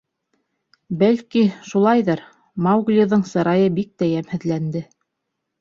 — Бәлки, шулайҙыр, — Мауглиҙың сырайы бик тә йәмһеҙләнде.